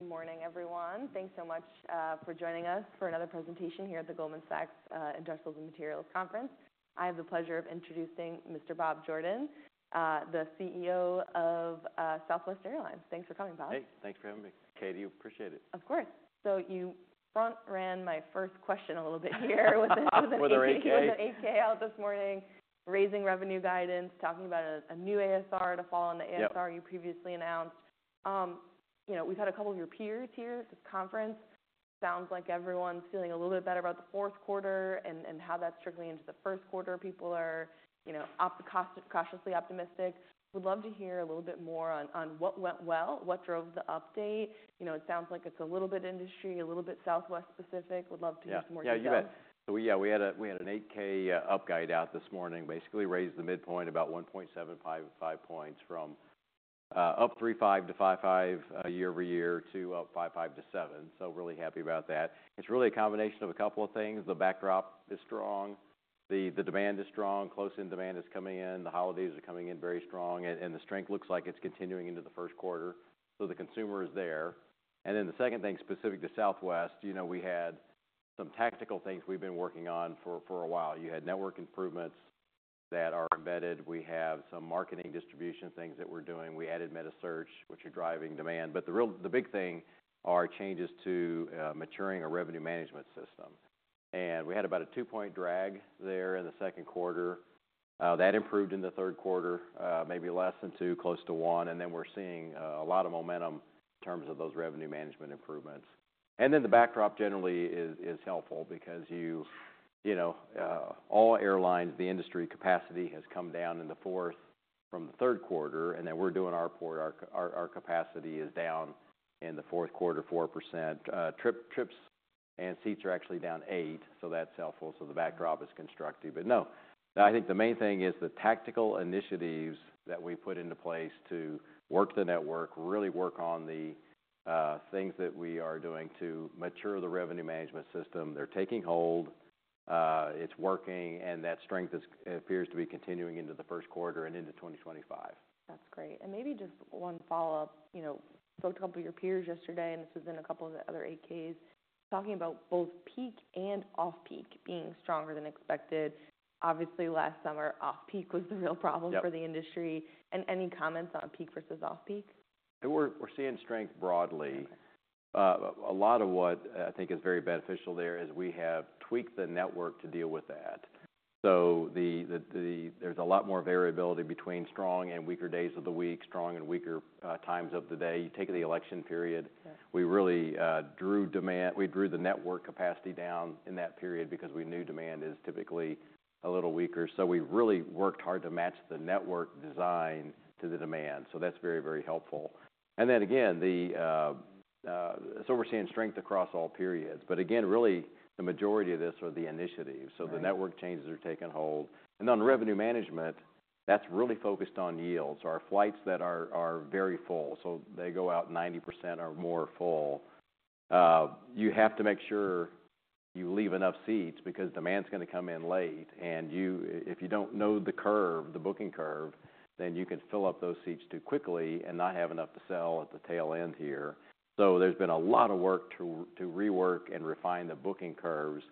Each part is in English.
Good morning, everyone. Thanks so much for joining us for another presentation here at the Goldman Sachs Industrials and Materials Conference. I have the pleasure of introducing Mr. Bob Jordan, the CEO of Southwest Airlines. Thanks for coming, Bob. Hey, thanks for having me. Catie, appreciate it. Of course. So you front-ran my first question a little bit here with the. With the 8-K? With the 8-K out this morning. Raising revenue guidance, talking about a new ASR to follow on the ASR. Yeah. You previously announced. You know, we've had a couple of your peers here at this conference. Sounds like everyone's feeling a little bit better about the fourth quarter and how that's trickling into the first quarter. People are, you know, cautiously optimistic. Would love to hear a little bit more on what went well, what drove the update. You know, it sounds like it's a little bit industry, a little bit Southwest specific. Would love to hear some more detail. Yeah, you bet. So yeah, we had an 8-K, up guide out this morning. Basically raised the midpoint about 1.75 to 5 points from up 3.5% to 5.5%, year-over-year to up 5.5% to 7%. So really happy about that. It's really a combination of a couple of things. The backdrop is strong. The demand is strong. Close-in demand is coming in. The holidays are coming in very strong. And the strength looks like it's continuing into the first quarter. So the consumer is there. And then the second thing specific to Southwest, you know, we had some tactical things we've been working on for a while. You had network improvements that are embedded. We have some marketing distribution things that we're doing. We added metasearch, which are driving demand. But the real big thing are changes to maturing a revenue management system. And we had about a two-point drag there in the second quarter. That improved in the third quarter, maybe less than two, close to one. And then we're seeing a lot of momentum in terms of those revenue management improvements. And then the backdrop generally is helpful because you know all airlines, the industry capacity has come down in the fourth from the third quarter. And then our capacity is down in the fourth quarter 4%. Trips and seats are actually down 8%. So that's helpful. So the backdrop is constructive. But no, I think the main thing is the tactical initiatives that we put into place to work the network, really work on the things that we are doing to mature the revenue management system. They're taking hold. It's working, and that strength is, appears to be continuing into the first quarter and into 2025. That's great. And maybe just one follow-up. You know, spoke to a couple of your peers yesterday, and this was in a couple of the other 8-Ks, talking about both peak and off-peak being stronger than expected. Obviously, last summer, off-peak was the real problem. Yeah. For the industry. Any comments on peak versus off-peak? We're seeing strength broadly. Okay. A lot of what I think is very beneficial there is we have tweaked the network to deal with that. So there's a lot more variability between strong and weaker days of the week, strong and weaker times of the day. You take the election period. Yeah. We really drew the network capacity down in that period because we knew demand is typically a little weaker. So we really worked hard to match the network design to the demand. So that's very, very helpful. And then again, so we're seeing strength across all periods. But again, really, the majority of this are the initiatives. Yeah. So the network changes are taking hold. And on revenue management, that's really focused on yields. Our flights that are very full. So they go out 90% or more full. You have to make sure you leave enough seats because demand's gonna come in late. And you, if you don't know the curve, the booking curve, then you can fill up those seats too quickly and not have enough to sell at the tail end here. So there's been a lot of work to rework and refine the booking curves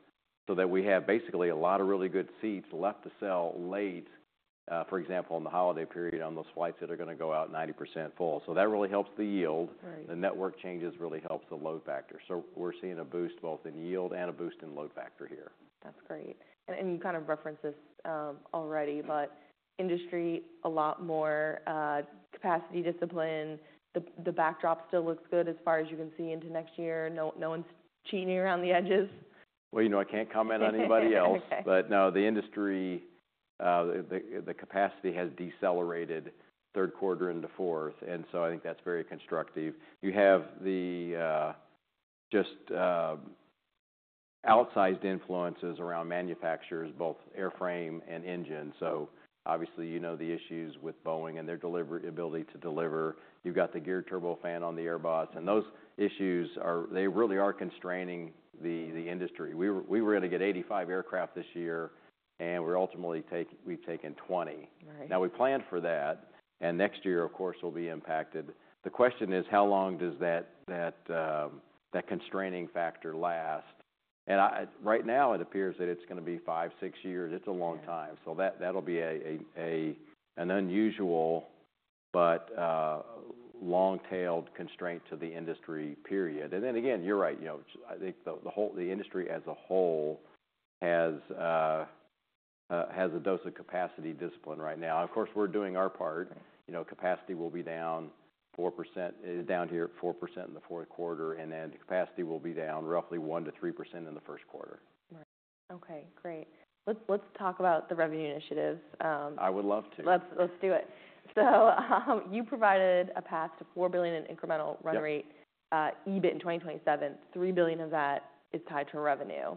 so that we have basically a lot of really good seats left to sell late, for example, in the holiday period on those flights that are gonna go out 90% full. So that really helps the yield. Right. The network changes really helps the load factor. So we're seeing a boost both in yield and a boost in load factor here. That's great. And you kind of referenced this already, but industry a lot more capacity discipline. The backdrop still looks good as far as you can see into next year. No one's cheating around the edges. You know, I can't comment on anybody else. Okay. But no, the industry, the capacity has decelerated third quarter into fourth. And so I think that's very constructive. You have just outsized influences around manufacturers, both airframe and engine. So obviously, you know the issues with Boeing and their delivery ability to deliver. You've got the Geared Turbofan on the Airbus. And those issues, they really are constraining the industry. We were gonna get 85 aircraft this year, and we're ultimately taking. We've taken 20. Right. Now, we planned for that. And next year, of course, will be impacted. The question is, how long does that constraining factor last? And right now, it appears that it's gonna be five, six years. It's a long time. So that'll be an unusual but long-tailed constraint to the industry, period. And then again, you're right. You know, I think the whole industry as a whole has a dose of capacity discipline right now. Of course, we're doing our part. Right. You know, capacity will be down 4%, down here at 4% in the fourth quarter. And then capacity will be down roughly 1%-3% in the first quarter. Right. Okay. Great. Let's, let's talk about the revenue initiatives. I would love to. Let's do it. So, you provided a path to $4 billion in incremental run rate. Yeah. EBIT in 2027. $3 billion of that is tied to revenue.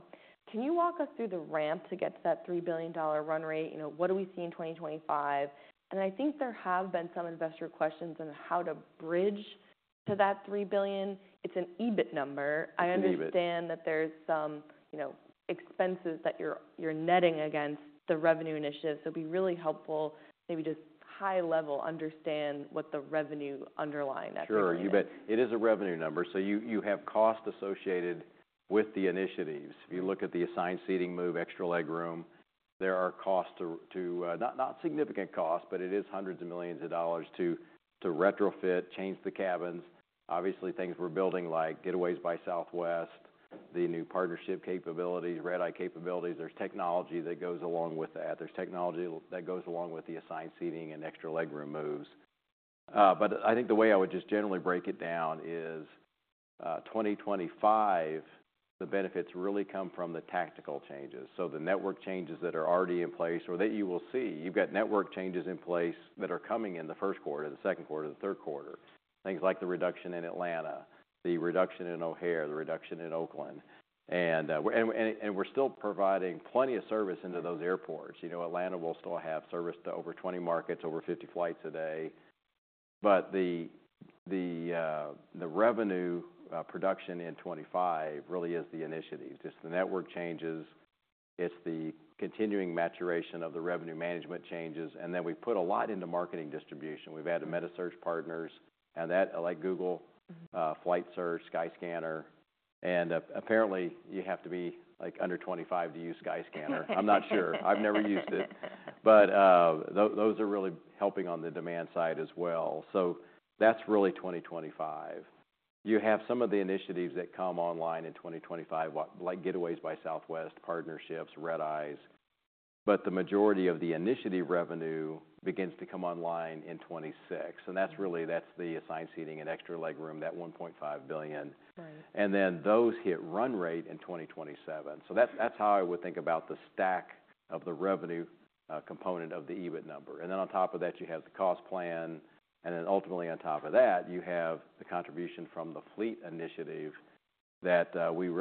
Can you walk us through the ramp to get to that $3 billion run rate? You know, what do we see in 2025, and I think there have been some investor questions on how to bridge to that $3 billion. It's an EBIT number. An EBIT. I understand that there's some, you know, expenses that you're netting against the revenue initiative. So it'd be really helpful, maybe just high level, understand what the revenue underlying that number is. Sure. You bet. It is a revenue number. So you have cost associated with the initiatives. If you look at the assigned seating move, extra leg room, there are costs, not significant costs, but it is hundreds of millions of dollars to retrofit, change the cabins. Obviously, things we're building like Getaways by Southwest, the new partnership capabilities, red-eye capabilities. There's technology that goes along with that. There's technology that goes along with the assigned seating and extra leg room moves, but I think the way I would just generally break it down is, 2025, the benefits really come from the tactical changes. So the network changes that are already in place or that you will see. You've got network changes in place that are coming in the first quarter, the second quarter, the third quarter. Things like the reduction in Atlanta, the reduction in O'Hare, the reduction in Oakland, and we're still providing plenty of service into those airports. You know, Atlanta will still have service to over 20 markets, over 50 flights a day, but the revenue production in 2025 really is the initiative. It's the network changes. It's the continuing maturation of the revenue management changes, and then we've put a lot into marketing distribution. We've added metasearch partners, and that, like Google Flights search, Skyscanner. Mm-hmm. And, apparently, you have to be, like, under 25 to use Skyscanner. I'm not sure. I've never used it. But, those are really helping on the demand side as well. So that's really 2025. You have some of the initiatives that come online in 2025, what, like Getaways by Southwest, partnerships, red-eyes. But the majority of the initiative revenue begins to come online in 2026. And that's really the assigned seating and extra leg room, that $1.5 billion. Right. And then those hit run rate in 2027. So that's how I would think about the stack of the revenue component of the EBIT number. And then on top of that, you have the cost plan. And then ultimately, on top of that, you have the contribution from the fleet initiative that we've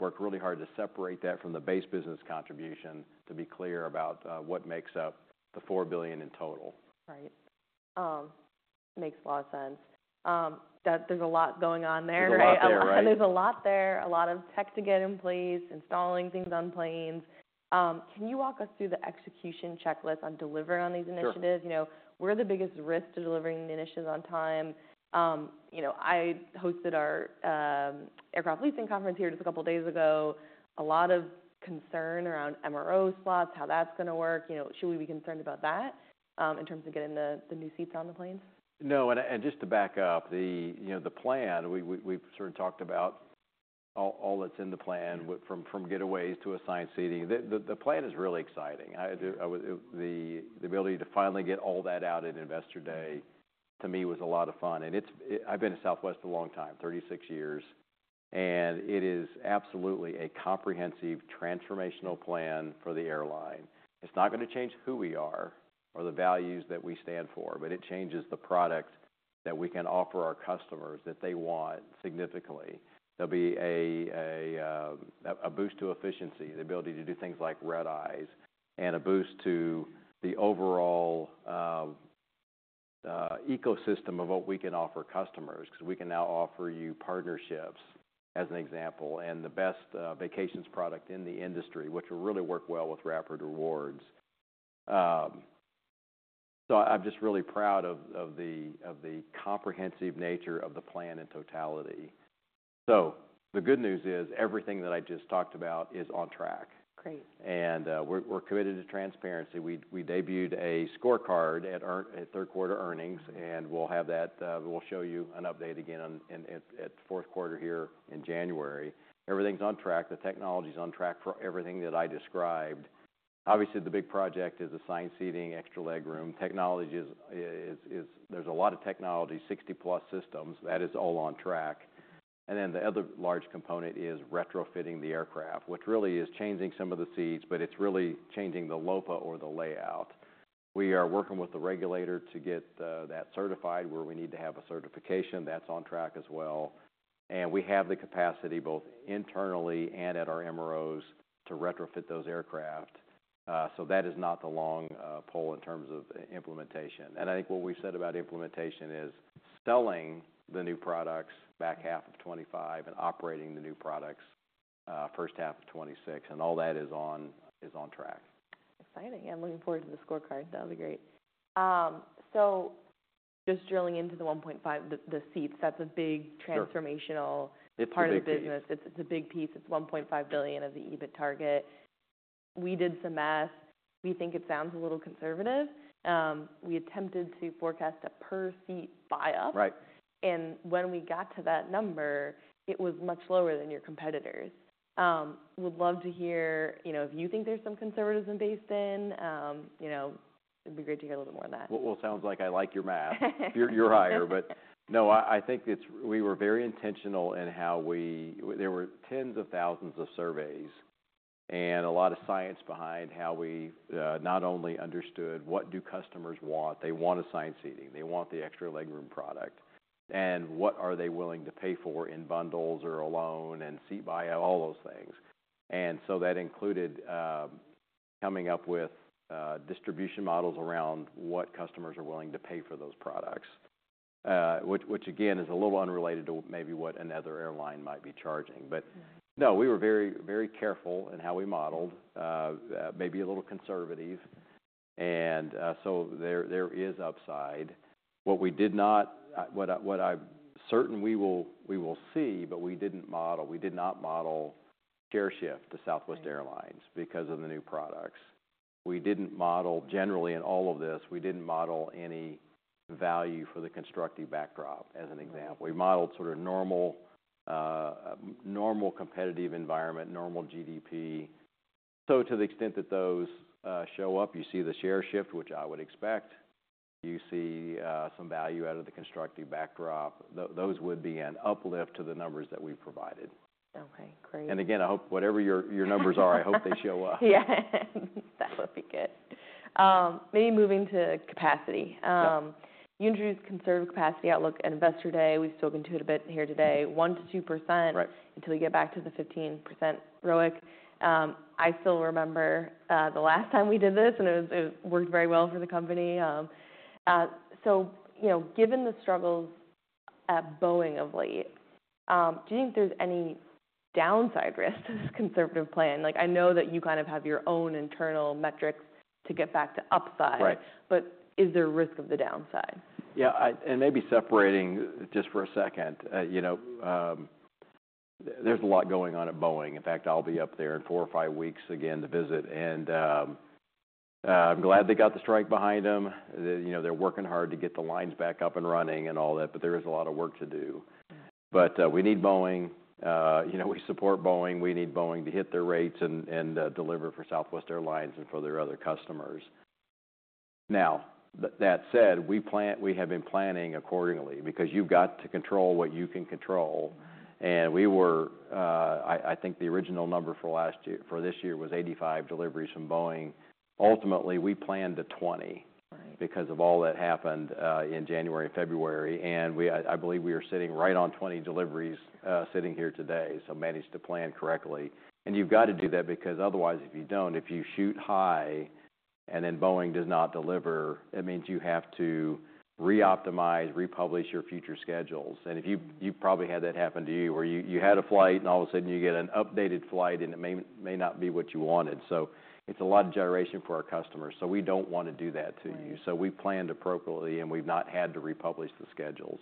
worked really hard to separate that from the base business contribution to be clear about what makes up the $4 billion in total. Right. Makes a lot of sense that there's a lot going on there. There is there, right? A lot of there and there's a lot there, a lot of tech to get in place, installing things on planes. Can you walk us through the execution checklist on delivering on these initiatives? Sure. You know, where are the biggest risks to delivering the initiatives on time? You know, I hosted our Aircraft Leasing Conference here just a couple of days ago. A lot of concern around MRO slots, how that's gonna work. You know, should we be concerned about that, in terms of getting the new seats on the planes? No. And just to back up, you know, the plan, we've sort of talked about all that's in the plan. Mm-hmm. From getaways to assigned seating. The plan is really exciting. The ability to finally get all that out at Investor Day, to me, was a lot of fun. And it's, I've been at Southwest a long time, 36 years. And it is absolutely a comprehensive transformational plan for the airline. It's not gonna change who we are or the values that we stand for, but it changes the product that we can offer our customers that they want significantly. There'll be a boost to efficiency, the ability to do things like red-eyes, and a boost to the overall ecosystem of what we can offer customers 'cause we can now offer you partnerships, as an example, and the best vacations product in the industry, which will really work well with Rapid Rewards. I'm just really proud of the comprehensive nature of the plan in totality. So the good news is everything that I just talked about is on track. Great. We're committed to transparency. We debuted a scorecard at our third quarter earnings. We'll have that. We'll show you an update again in our fourth quarter here in January. Everything's on track. The technology's on track for everything that I described. Obviously, the big project is assigned seating, extra leg room. Technology is. There's a lot of technology, 60+ systems. That is all on track. And then the other large component is retrofitting the aircraft, which really is changing some of the seats, but it's really changing the LOPA or the layout. We are working with the regulator to get that certified where we need to have a certification. That's on track as well. And we have the capacity both internally and at our MROs to retrofit those aircraft. So that is not the long pole in terms of implementation. And I think what we've said about implementation is selling the new products back half of 2025 and operating the new products, first half of 2026. And all that is on track. Exciting. I'm looking forward to the scorecard. That'll be great. So just drilling into the 1.5, the seats, that's a big transformational. It's a big piece. Part of the business. It's, it's a big piece. It's $1.5 billion of the EBIT target. We did some math. We think it sounds a little conservative. We attempted to forecast a per-seat buy-up. Right. When we got to that number, it was much lower than your competitors. I would love to hear, you know, if you think there's some conservatism baked in, you know, it'd be great to hear a little bit more on that. Well, it sounds like I like your math. You're higher. But no, I think it's we were very intentional in how we there were tens of thousands of surveys and a lot of science behind how we not only understood what do customers want. They want assigned seating. They want the extra leg room product. And what are they willing to pay for in bundles or alone and seat buyout, all those things. And so that included coming up with distribution models around what customers are willing to pay for those products, which again is a little unrelated to maybe what another airline might be charging. But. Right. No, we were very, very careful in how we modeled, maybe a little conservative. So there is upside. What we did not model, what I'm certain we will see, but we didn't model share shift to Southwest Airlines because of the new products. We didn't model generally in all of this any value for the constructive backdrop, as an example. Right. We modeled sort of normal, normal competitive environment, normal GDP. So to the extent that those show up, you see the share shift, which I would expect. You see, some value out of the constructive backdrop. Those would be an uplift to the numbers that we've provided. Okay. Great. Again, I hope whatever your numbers are. I hope they show up. Yeah. That would be good. Maybe moving to capacity. Sure. You introduced conservative capacity outlook at Investor Day. We've spoken to it a bit here today. 1%-2%. Right. Until we get back to the 15% ROIC. I still remember the last time we did this, and it worked very well for the company. So, you know, given the struggles at Boeing of late, do you think there's any downside risk to this conservative plan? Like, I know that you kind of have your own internal metrics to get back to upside. Right. But is there a risk of the downside? Yeah. And maybe separating just for a second, you know, there's a lot going on at Boeing. In fact, I'll be up there in four or five weeks again to visit. And, I'm glad they got the strike behind them. They, you know, they're working hard to get the lines back up and running and all that, but there is a lot of work to do. Right. We need Boeing. You know, we support Boeing. We need Boeing to hit their rates and deliver for Southwest Airlines and for their other customers. Now, that said, we have been planning accordingly because you've got to control what you can control. Right. We were. I think the original number for last year for this year was 85 deliveries from Boeing. Ultimately, we planned to 20. Right. Because of all that happened in January and February, I believe we are sitting right on 20 deliveries sitting here today, so managed to plan correctly, and you've got to do that because otherwise, if you don't, if you shoot high and then Boeing does not deliver, it means you have to reoptimize, republish your future schedules, and if you've probably had that happen to you where you had a flight, and all of a sudden, you get an updated flight, and it may not be what you wanted, so it's a lot of frustration for our customers, so we don't want to do that to you, so we planned appropriately, and we've not had to republish the schedules,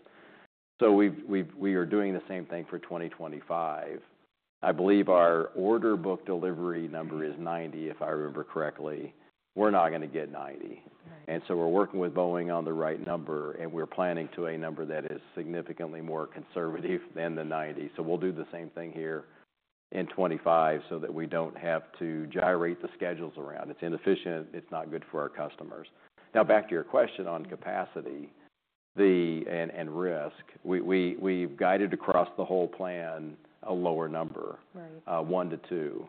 so we are doing the same thing for 2025. I believe our order book delivery number is 90, if I remember correctly. We're not gonna get 90. Right. And so we're working with Boeing on the right number, and we're planning to a number that is significantly more conservative than the 90. So we'll do the same thing here in 2025 so that we don't have to gyrate the schedules around. It's inefficient. It's not good for our customers. Now, back to your question on capacity and risk, we've guided across the whole plan a lower number. Right. 1%-2%.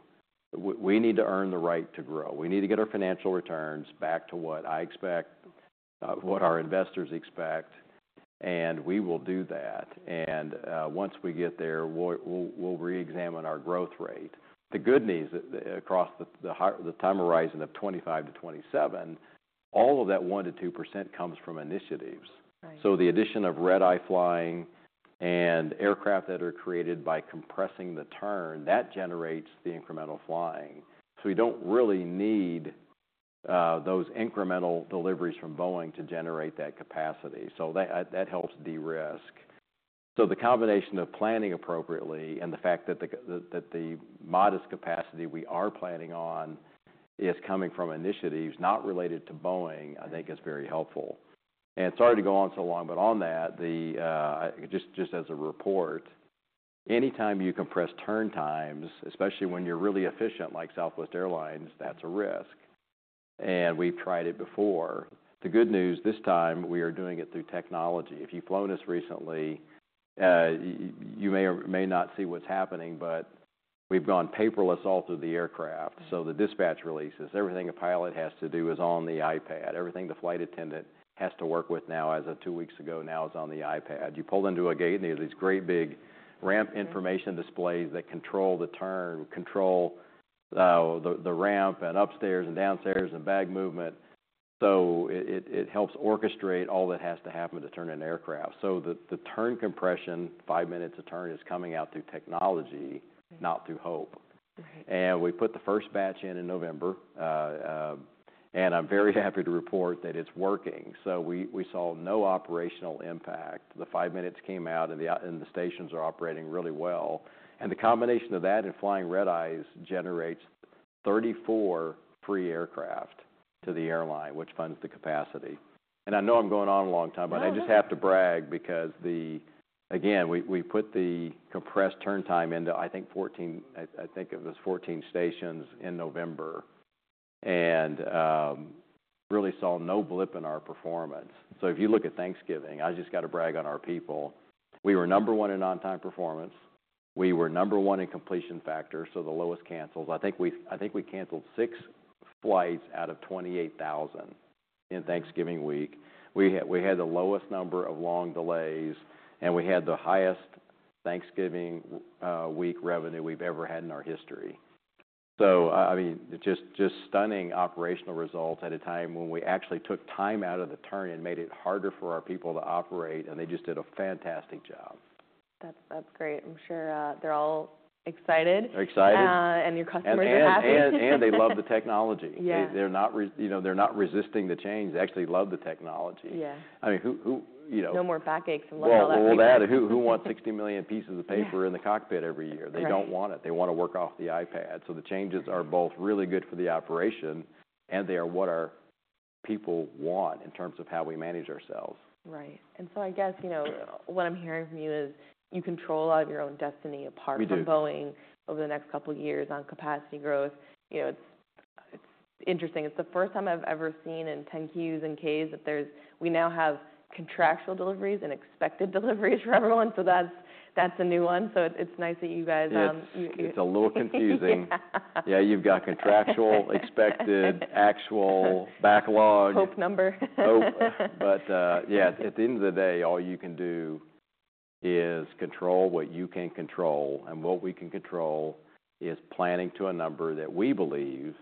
We need to earn the right to grow. We need to get our financial returns back to what I expect, what our investors expect. And we will do that. And once we get there, we'll re-examine our growth rate. The good news that across the higher time horizon of 2025 to 2027, all of that 1%-2% comes from initiatives. Right. So the addition of red-eye flying and aircraft that are created by compressing the turn, that generates the incremental flying. So we don't really need those incremental deliveries from Boeing to generate that capacity. So that helps de-risk. So the combination of planning appropriately and the fact that the modest capacity we are planning on is coming from initiatives not related to Boeing, I think is very helpful. Sorry to go on so long, but on that, just as a report, anytime you compress turn times, especially when you're really efficient like Southwest Airlines, that's a risk. And we've tried it before. The good news this time, we are doing it through technology. If you've flown us recently, you may or may not see what's happening, but we've gone paperless all through the aircraft. So the dispatch releases, everything a pilot has to do is on the iPad. Everything the flight attendant has to work with now, as of two weeks ago, now is on the iPad. You pull into a gate, and there's these great big ramp information displays that control the turn, control the ramp and upstairs and downstairs and bag movement. So it helps orchestrate all that has to happen to turn an aircraft. So the turn compression, five minutes a turn, is coming out through technology, not through hope. Right. We put the first batch in in November, and I'm very happy to report that it's working. So we saw no operational impact. The five minutes came out, and the stations are operating really well. The combination of that and flying red-eyes generates 34 free aircraft to the airline, which funds the capacity. I know I'm going on a long time, but. Right. I just have to brag because, again, we put the compressed turn time into, I think, 14 stations in November and really saw no blip in our performance. So if you look at Thanksgiving, I just gotta brag on our people. We were number one in on-time performance. We were number one in completion factor, so the lowest cancels. I think we canceled 6 flights out of 28,000 in Thanksgiving week. We had the lowest number of long delays, and we had the highest Thanksgiving week revenue we've ever had in our history. So, I mean, just stunning operational results at a time when we actually took time out of the turn and made it harder for our people to operate, and they just did a fantastic job. That's great. I'm sure they're all excited. Excited. And your customers are happy. They love the technology. Yeah. They're not resisting, you know, the change. They actually love the technology. Yeah. I mean, who, you know? No more backaches and what all that. No, all that. Who, who wants 60 million pieces of paper in the cockpit every year? Right. They don't want it. They wanna work off the iPad. So the changes are both really good for the operation, and they are what our people want in terms of how we manage ourselves. Right. And so I guess, you know, what I'm hearing from you is you control a lot of your own destiny apart from. We do. Boeing over the next couple of years on capacity growth. You know, it's, it's interesting. It's the first time I've ever seen in 10-Qs and 10-Ks that there's we now have contractual deliveries and expected deliveries for everyone. So that's, that's a new one. So it's, it's nice that you guys, It's a little confusing. Yeah. You've got contractual, expected, actual backlog. Hope number. Hope. But, yeah, at the end of the day, all you can do is control what you can control. And what we can control is planning to a number that we believe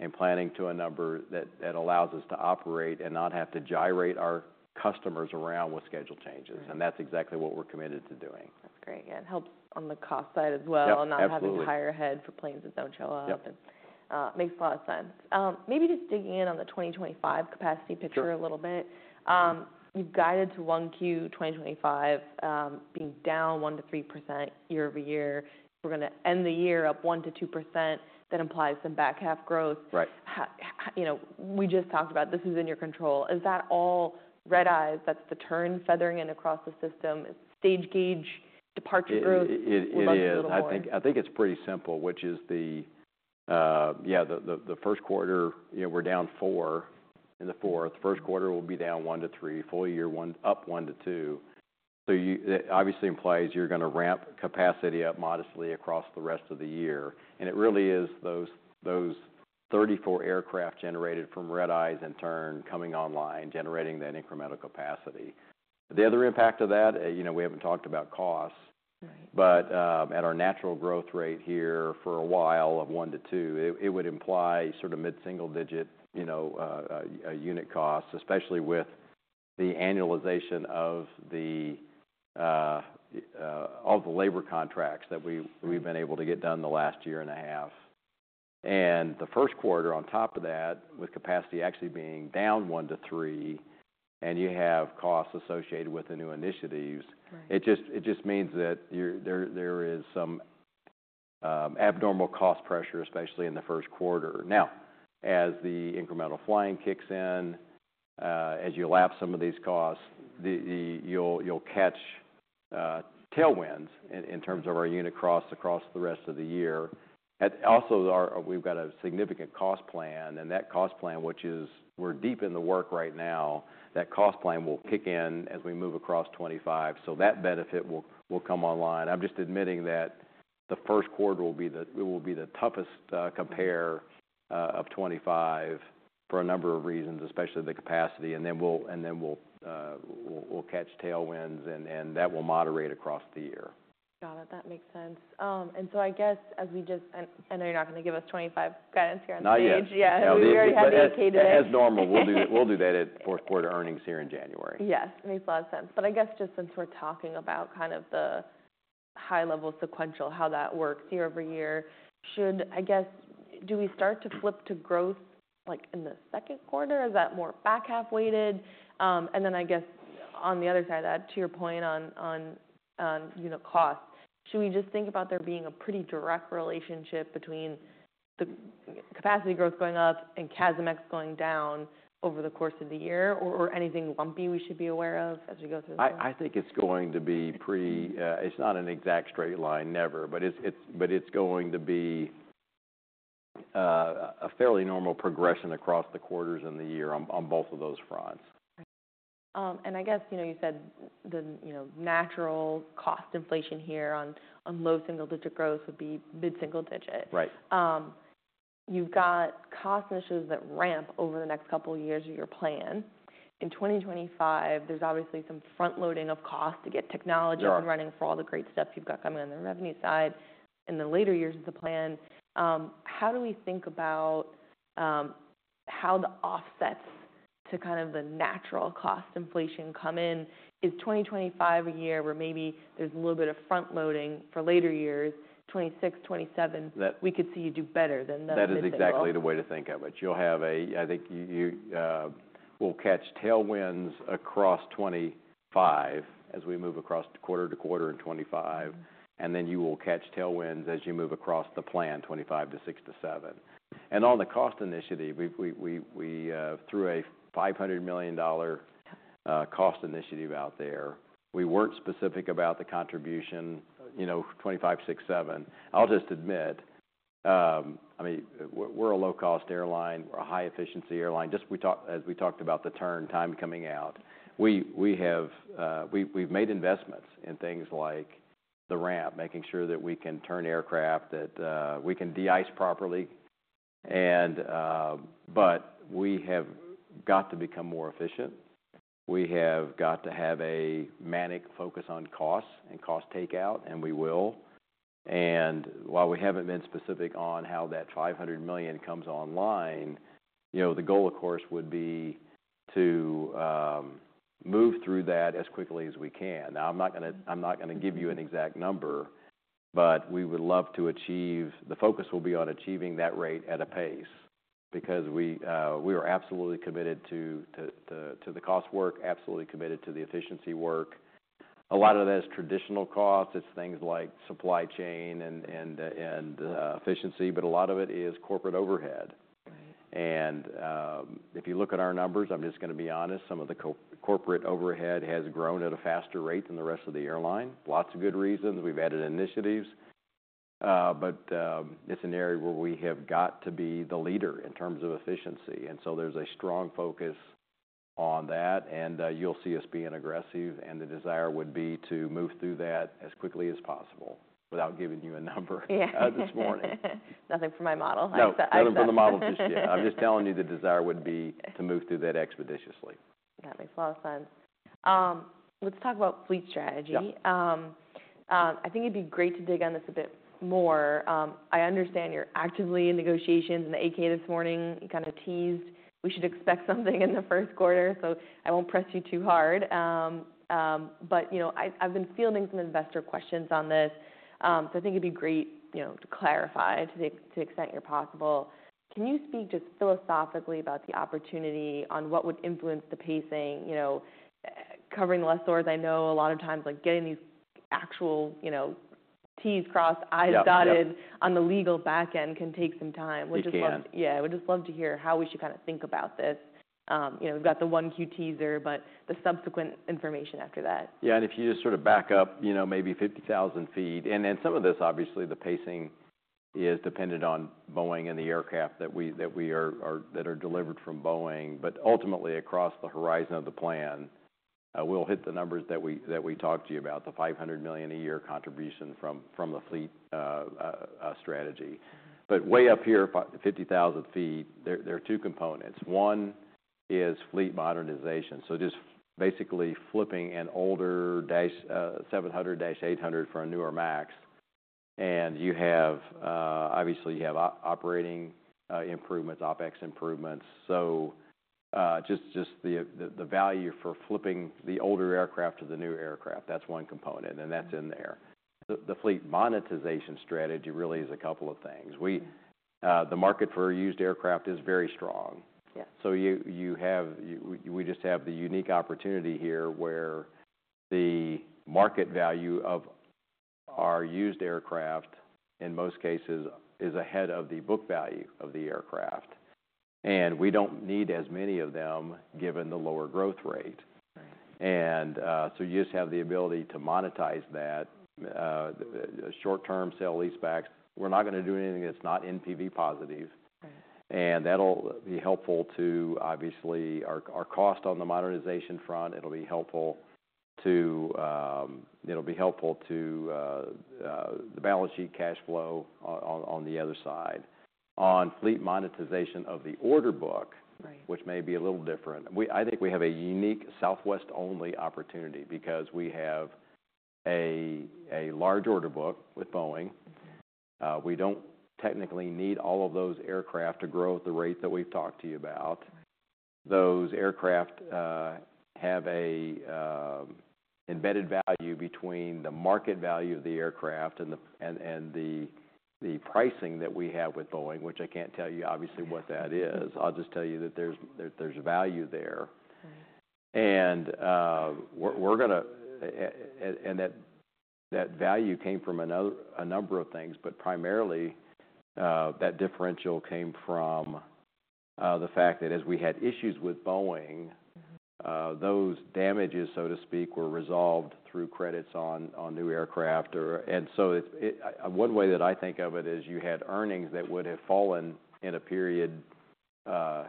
and planning to a number that, that allows us to operate and not have to gyrate our customers around with schedule changes. And that's exactly what we're committed to doing. That's great. Yeah. It helps on the cost side as well. Yeah. Absolutely. Not having to hire ahead for planes that don't show up. Yep. Makes a lot of sense. Maybe just digging in on the 2025 capacity picture a little bit. You've guided to 1Q 2025, being down 1%-3% year-over-year. We're gonna end the year up 1%-2%. That implies some back half growth. Right. How, you know, we just talked about this is in your control. Is that all red-eyes? That's the turn feathering in across the system? It's stage gauge departure growth? It is. What about the other level? I think it's pretty simple, which is the first quarter, you know, we're down four in the fourth. First quarter, we'll be down one to three. Full year, one up one to two. So that obviously implies you're gonna ramp capacity up modestly across the rest of the year. And it really is those 34 aircraft generated from red-eyes and turn coming online, generating that incremental capacity. The other impact of that, you know, we haven't talked about costs. Right. At our natural growth rate here for a while of one to two, it would imply sort of mid-single digit, you know, unit costs, especially with the annualization of all the labor contracts that we've been able to get done the last year and a half. The first quarter, on top of that, with capacity actually being down one to three, and you have costs associated with the new initiatives. Right. It just means that there is some abnormal cost pressure, especially in the first quarter. Now, as the incremental flying kicks in, as you lap some of these costs, you'll catch tailwinds in terms of our unit costs across the rest of the year. And also, we've got a significant cost plan. And that cost plan, which we're deep in the work right now, will kick in as we move across 2025. So that benefit will come online. I'm just admitting that the first quarter will be the toughest comp of 2025 for a number of reasons, especially the capacity. And then we'll catch tailwinds, and that will moderate across the year. Got it. That makes sense, and so I guess you're not gonna give us 2025 guidance here on the change. Not yet. Yeah. We already have to educate it. As normal, we'll do that. Right. We'll do that at fourth quarter earnings here in January. Yes. Makes a lot of sense. But I guess just since we're talking about kind of the high-level sequential, how that works year-over-year, should, I guess, do we start to flip to growth, like, in the second quarter? Is that more back half weighted? And then I guess, on the other side of that, to your point on, you know, costs, should we just think about there being a pretty direct relationship between the capacity growth going up and CASM-ex going down over the course of the year? Or anything lumpy we should be aware of as we go through this? I think it's going to be pretty. It's not an exact straight line, never, but it's going to be a fairly normal progression across the quarters in the year on both of those fronts. Right. And I guess, you know, you said the, you know, natural cost inflation here on low single-digit growth would be mid-single digit. Right. You've got cost initiatives that ramp over the next couple of years of your plan. In 2025, there's obviously some front-loading of cost to get technology. Yep. Up and running for all the great stuff you've got coming on the revenue side in the later years of the plan. How do we think about how the offsets to kind of the natural cost inflation come in? Is 2025 a year where maybe there's a little bit of front-loading for later years, 2026, 2027? That's. We could see you do better than the. That is exactly the way to think of it. You'll have, I think, you will catch tailwinds across 2025 as we move across quarter to quarter in 2025. Then you will catch tailwinds as you move across the plan 2025 to 2026 to 2027. On the cost initiative, we threw a $500 million cost initiative out there. We weren't specific about the contribution, you know, 2025, 2026, 2027. I'll just admit, I mean, we're a low-cost airline. We're a high-efficiency airline. Just as we talked about the turn time coming out, we have, we've made investments in things like the ramp, making sure that we can turn aircraft, that we can de-ice properly. But we have got to become more efficient. We have got to have a manic focus on costs and cost takeout, and we will. While we haven't been specific on how that $500 million comes online, you know, the goal, of course, would be to move through that as quickly as we can. Now, I'm not gonna give you an exact number, but we would love to achieve the focus will be on achieving that rate at a pace because we are absolutely committed to the cost work, absolutely committed to the efficiency work. A lot of that is traditional costs. It's things like supply chain and efficiency. But a lot of it is corporate overhead. Right. If you look at our numbers, I'm just gonna be honest. Some of the corporate overhead has grown at a faster rate than the rest of the airline. Lots of good reasons. We've added initiatives, but it's an area where we have got to be the leader in terms of efficiency. And so there's a strong focus on that. You'll see us being aggressive. The desire would be to move through that as quickly as possible without giving you a number. Yeah. This morning. Nothing for my model. I'm so. No, nothing for the model just yet. I'm just telling you the desire would be to move through that expeditiously. That makes a lot of sense. Let's talk about fleet strategy. Sure. I think it'd be great to dig on this a bit more. I understand you're actively in negotiations in the 8-K this morning. You kinda teased we should expect something in the first quarter. So I won't press you too hard, but, you know, I've been fielding some investor questions on this, so I think it'd be great, you know, to clarify to the, to the extent you're possible. Can you speak just philosophically about the opportunity on what would influence the pacing? You know, covering the lessors, I know a lot of times, like, getting these actual, you know, T's crossed, I's dotted. Yeah. On the legal back end can take some time. It can. We'd just love to hear how we should kinda think about this, you know. We've got the 1Q teaser, but the subsequent information after that. Yeah. And if you just sort of back up, you know, maybe 50,000 ft and some of this, obviously, the pacing is dependent on Boeing and the aircraft that we are that are delivered from Boeing. But ultimately, across the horizon of the plan, we'll hit the numbers that we talked to you about, the $500 million a year contribution from the fleet strategy. But way up here, 50,000 ft, there are two components. One is fleet modernization. So just basically flipping an older dash 700-800 for a newer MAX. And you have, obviously, you have operating improvements, OPEX improvements. So, just the value for flipping the older aircraft to the new aircraft, that's one component. And that's in there. The fleet monetization strategy really is a couple of things. The market for used aircraft is very strong. Yeah. We just have the unique opportunity here where the market value of our used aircraft, in most cases, is ahead of the book value of the aircraft. And we don't need as many of them given the lower growth rate. Right. And, so you just have the ability to monetize that, short-term sale-leasebacks. We're not gonna do anything that's not NPV positive. Right. That'll be helpful to, obviously, our cost on the modernization front. It'll be helpful to the balance sheet cash flow on the other side. On fleet monetization of the order book. Right. Which may be a little different. We, I think we have a unique Southwest-only opportunity because we have a large order book with Boeing. Mm-hmm. We don't technically need all of those aircraft to grow at the rate that we've talked to you about. Right. Those aircraft have an embedded value between the market value of the aircraft and the pricing that we have with Boeing, which I can't tell you, obviously, what that is. I'll just tell you that there's value there. Right. We're gonna, and that value came from a number of things. But primarily, that differential came from the fact that as we had issues with Boeing. Mm-hmm. Those damages, so to speak, were resolved through credits on new aircraft or and so it. One way that I think of it is you had earnings that would have fallen in a period to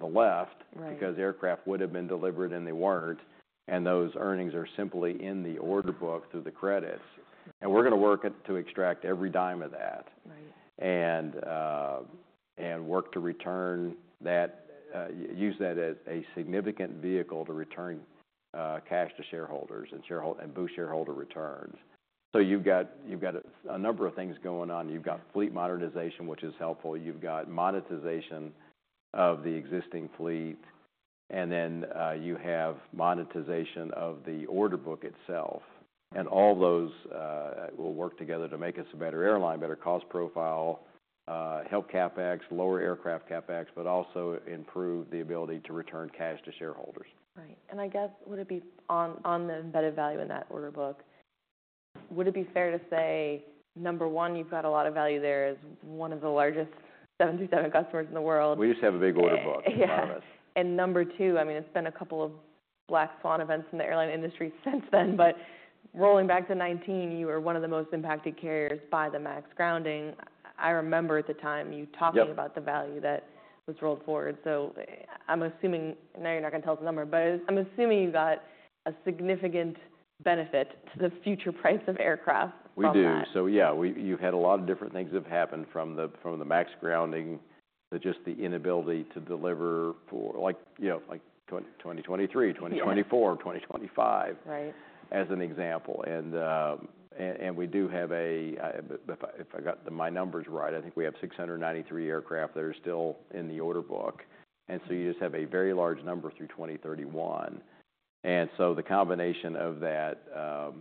the left. Right. Because aircraft would have been delivered and they weren't. And those earnings are simply in the order book through the credits. And we're gonna work to extract every dime of that. Right. And work to return that, use that as a significant vehicle to return cash to shareholders and boost shareholder returns. So you've got a number of things going on. You've got fleet modernization, which is helpful. You've got monetization of the existing fleet. And then you have monetization of the order book itself. And all those will work together to make us a better airline, better cost profile, help CapEx, lower aircraft CapEx, but also improve the ability to return cash to shareholders. Right. And I guess, would it be on, on the embedded value in that order book, would it be fair to say, number one, you've got a lot of value there as one of the largest 737 customers in the world? We just have a big order book. Yeah. Enormous. And number two, I mean, it's been a couple of black swan events in the airline industry since then. But rolling back to 2019, you were one of the most impacted carriers by the MAX grounding. I remember at the time you talking. Yeah. About the value that was rolled forward. So I'm assuming now you're not gonna tell us the number, but I'm assuming you got a significant benefit to the future price of aircraft. We do. From Boeing. So yeah. We've had a lot of different things have happened from the MAX grounding to just the inability to deliver for like, you know, like 2023, 2024. Yeah. 2025. Right. As an example, and we do have, if I got my numbers right, I think we have 693 aircraft that are still in the order book, and so you just have a very large number through 2031. And so the combination of that,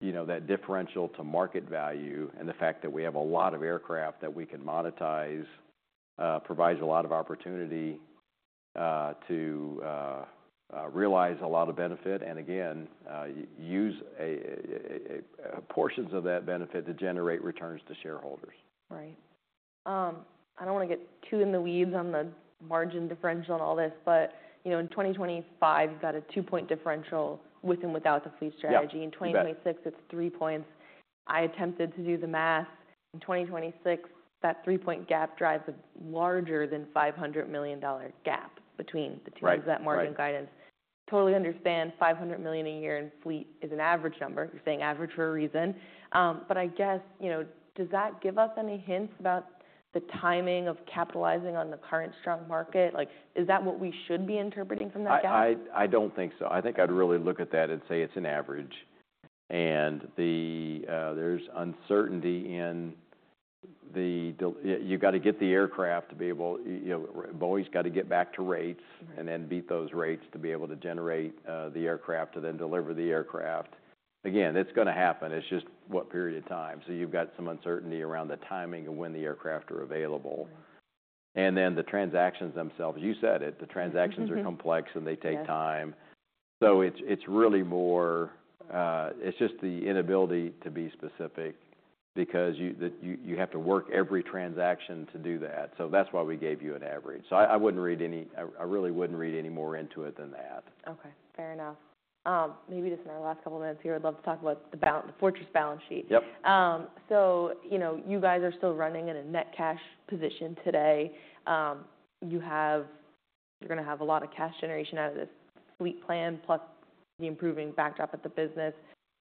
you know, that differential to market value and the fact that we have a lot of aircraft that we can monetize provides a lot of opportunity to realize a lot of benefit and, again, use portions of that benefit to generate returns to shareholders. Right. I don't wanna get too in the weeds on the margin differential and all this, but, you know, in 2025, you've got a two-point differential with and without the fleet strategy. Yeah. In 2026, it's three points. I attempted to do the math. In 2026, that three-point gap drives a larger than $500 million gap between the two. Right. Of that margin guidance. Totally understand $500 million a year in fleet is an average number. You're saying average for a reason, but I guess, you know, does that give us any hints about the timing of capitalizing on the current strong market? Like, is that what we should be interpreting from that gap? I don't think so. I think I'd really look at that and say it's an average. And there's uncertainty in the delivery. You've gotta get the aircraft to be able, you know, Boeing's gotta get back to rates. Right. And then beat those rates to be able to generate the aircraft to then deliver the aircraft. Again, it's gonna happen. It's just what period of time. So you've got some uncertainty around the timing of when the aircraft are available. Right. Then the transactions themselves. You said it. The transactions are complex. Right. And they take time. So it's really more. It's just the inability to be specific because you have to work every transaction to do that. So that's why we gave you an average. So I really wouldn't read any more into it than that. Okay. Fair enough. Maybe just in our last couple of minutes here, I'd love to talk about the balance, the fortress balance sheet. Yep. So, you know, you guys are still running in a net cash position today. You have, you're gonna have a lot of cash generation out of this fleet plan plus the improving backdrop at the business.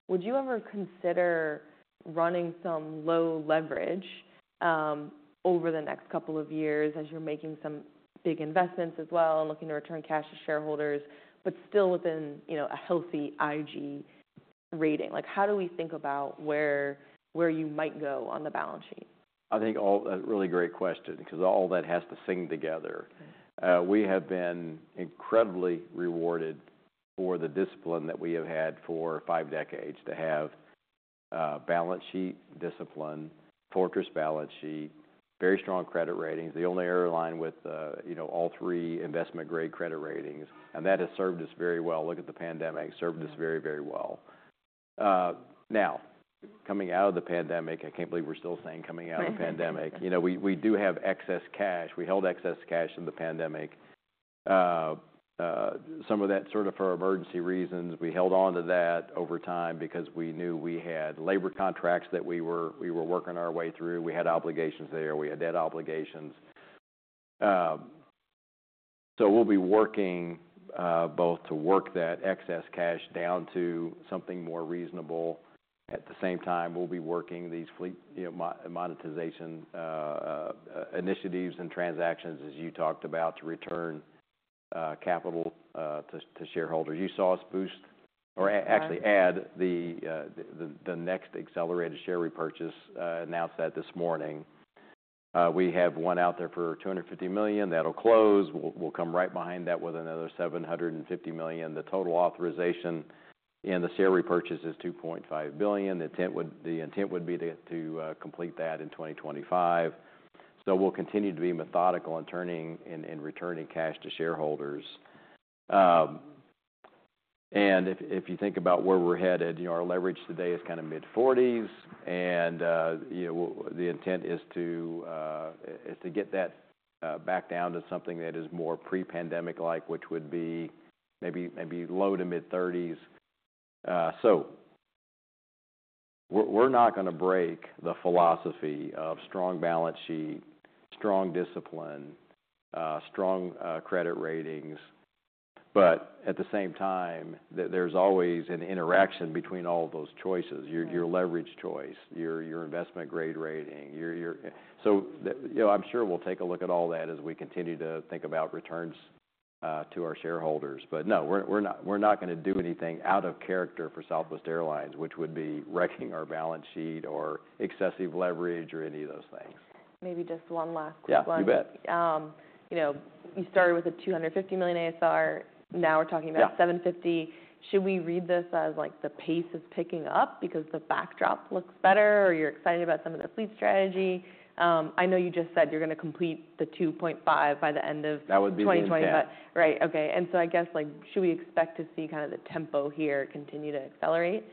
Would you ever consider running some low leverage over the next couple of years as you're making some big investments as well and looking to return cash to shareholders, but still within, you know, a healthy IG rating? Like, how do we think about where, where you might go on the balance sheet? I think all that's a really great question 'cause all that has to sing together. Right. We have been incredibly rewarded for the discipline that we have had for five decades to have balance sheet discipline, fortress balance sheet, very strong credit ratings. The only airline with, you know, all three investment-grade credit ratings. And that has served us very well. Look at the pandemic. Served us very, very well. Now, coming out of the pandemic, I can't believe we're still saying coming out of the pandemic. Right. You know, we do have excess cash. We held excess cash in the pandemic. Some of that sort of for emergency reasons. We held on to that over time because we knew we had labor contracts that we were working our way through. We had obligations there. We had debt obligations. So we'll be working both to work that excess cash down to something more reasonable. At the same time, we'll be working these fleet, you know, monetization initiatives and transactions as you talked about to return capital to shareholders. You saw us boost or actually add the next accelerated share repurchase, announced that this morning. We have one out there for $250 million. That'll close. We'll come right behind that with another $750 million. The total authorization in the share repurchase is $2.5 billion. The intent would be to complete that in 2025. We'll continue to be methodical in turning and returning cash to shareholders. If you think about where we're headed, you know, our leverage today is kinda mid-40s. You know, the intent is to get that back down to something that is more pre-pandemic-like, which would be maybe low to mid-30s. We're not gonna break the philosophy of strong balance sheet, strong discipline, strong credit ratings, but at the same time, there's always an interaction between all of those choices. Right. Your leverage choice, your investment-grade rating, so you know, I'm sure we'll take a look at all that as we continue to think about returns to our shareholders. But no, we're not gonna do anything out of character for Southwest Airlines, which would be wrecking our balance sheet or excessive leverage or any of those things. Maybe just one last quick one. Yeah. You bet. You know, you started with a $250 million ASR. Now we're talking about. Yeah. 750. Should we read this as, like, the pace is picking up because the backdrop looks better or you're excited about some of the fleet strategy? I know you just said you're gonna complete the 2.5 by the end of. That would be the intent. 2025. Right. Okay. And so I guess, like, should we expect to see kinda the tempo here continue to accelerate,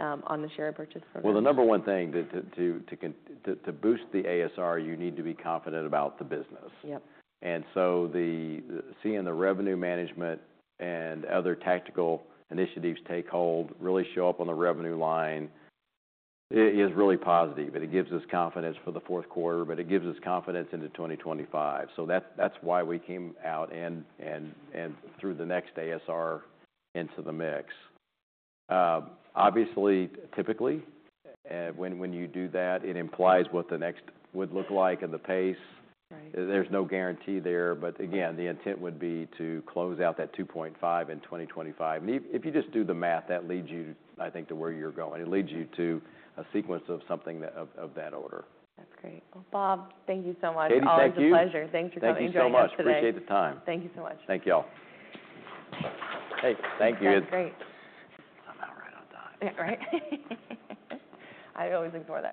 on the share repurchase program? The number one thing to boost the ASR, you need to be confident about the business. Yep. Seeing the revenue management and other tactical initiatives take hold, really show up on the revenue line, is really positive. It gives us confidence for the fourth quarter, but it gives us confidence into 2025. That's why we came out and threw the next ASR into the mix. Obviously, typically, when you do that, it implies what the next would look like and the pace. Right. There's no guarantee there. But again, the intent would be to close out that $2.5 in 2025. And if you just do the math, that leads you, I think, to where you're going. It leads you to a sequence of something that of that order. That's great. Well, Bob, thank you so much. Catie, thank you. It's always a pleasure. Thanks for coming to the interview. Thank you so much. Appreciate the time. Thank you so much. Thank y'all. Hey, thank you. That was great. I'm out right on time. Yeah. Right. I always look forward.